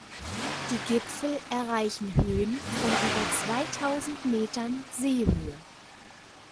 Die Gipfel erreichen Höhen von über zweitausend Metern Seehöhe.